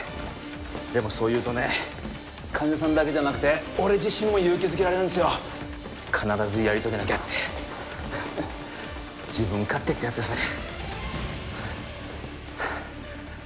もそう言うとね患者さんだけじゃなくて俺自身も勇気づけられるんですよ必ずやり遂げなきゃって自分勝手ってやつですね